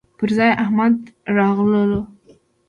پر ځاى احمد راغلهووايو